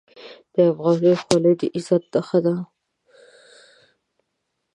د افغان خولۍ د عزت نښه ده.